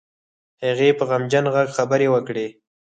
هغې په غمجن غږ خبرې وکړې.